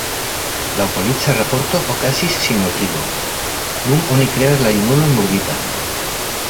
Laŭ polica raporto okazis sinmortigo: nun oni kredas la junulon murdita.